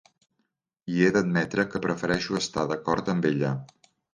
I he d'admetre que prefereixo estar d'acord amb ella.